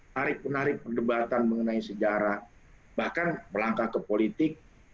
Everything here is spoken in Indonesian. tarik menarik perdebatan mengenai sejarah bahkan melangkah ke politik